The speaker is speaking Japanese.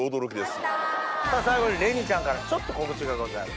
最後にれにちゃんからちょっと告知がございます。